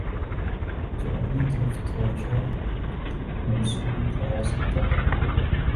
تواپنی طرف توجہ مبذول کراسکتاہے۔